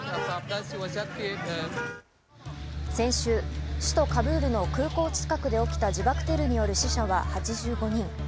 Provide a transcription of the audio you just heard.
先週、首都カブールの空港近くで起きた自爆テロによる死者は８５人。